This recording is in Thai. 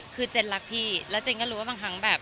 คือเจนรักพี่แล้วเจนก็รู้ว่าบางครั้งแบบ